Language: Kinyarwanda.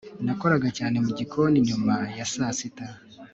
nakoraga cyane mu gikoni nyuma ya saa sita